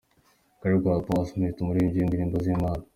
Gregory Paul Smith umuririmbyi w’indirimbo z’Imana.